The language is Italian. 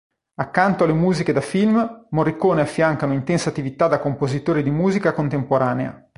Accanto alle musiche da film, Morricone affianca un'intensa attività da compositore di musica contemporanea.